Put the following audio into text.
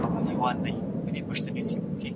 توند چلند د جهالت نښه ده.